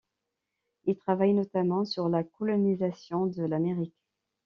Il travaille notamment sur la colonisation de l'Amérique.